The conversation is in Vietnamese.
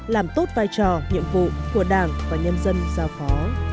làm tốt vai trò nhiệm vụ của đảng và nhân dân giao phó